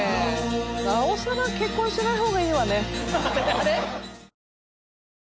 なおさら結婚しない方がいいわね。